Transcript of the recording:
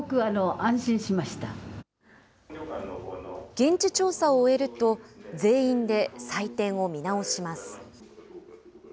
現地調査を終えると、全員で採点を見直します。